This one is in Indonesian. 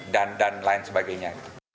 dan lain sebagainya